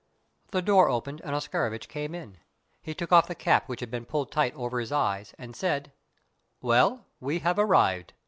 The door opened and Oscarovitch came in. He took off the cap which had been pulled tight over his eyes, and said: "Well, we have arrived!